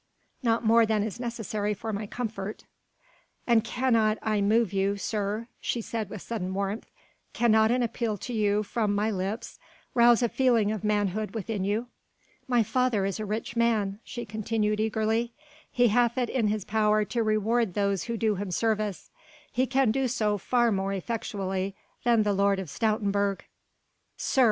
"Not more than is necessary for my comfort." "And cannot I move you, sir," she said with sudden warmth, "cannot an appeal to you from my lips rouse a feeling of manhood within you. My father is a rich man," she continued eagerly, "he hath it in his power to reward those who do him service; he can do so far more effectually than the Lord of Stoutenburg. Sir!